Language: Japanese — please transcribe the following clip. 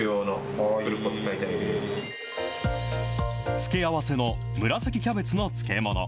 付け合わせの紫キャベツの漬け物。